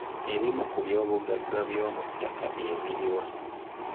Ebimu ku byobugagga eby'omuttaka bye biri wa?